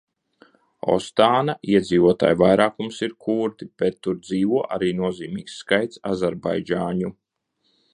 Ostāna iedzīvotāju vairākums ir kurdi, bet tur dzīvo arī nozīmīgs skaits azerbaidžāņu.